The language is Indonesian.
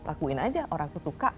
lakuin aja orangku suka